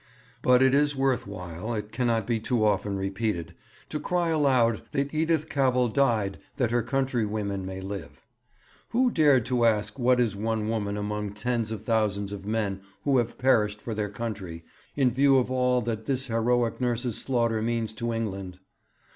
But it is worth while it cannot be too often repeated to cry aloud that Edith Cavell died that her countrywomen may live. Who dared to ask what is one woman among the tens of thousands of men who have perished for their country in view of all that this heroic nurse's slaughter means to England?